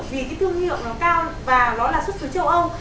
vì cái thương hiệu nó cao và nó là xuất xứ châu âu